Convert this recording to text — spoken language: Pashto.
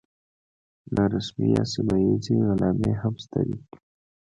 نارسمي یا سیمه ییزې علامې هم شته دي.